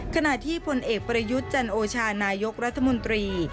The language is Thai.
ขณะที่ผลเอกประยุทธ์จันโอชานายกรัฐมนตรี